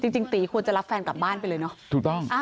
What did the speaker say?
จริงตีควรจะรับแฟนกลับบ้านไปเลยเนอะ